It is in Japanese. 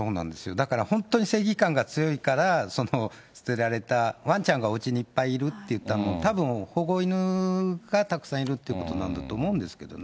だから本当に正義感が強いから、捨てられたワンちゃんがおうちにいっぱいいるっていったの、たぶん、保護犬がたくさんいるっていうことなんだと思うんですけどね。